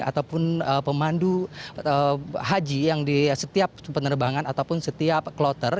ataupun pemandu haji yang di setiap penerbangan ataupun setiap kloter